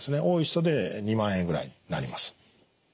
多い人で２０，０００円ぐらいになります。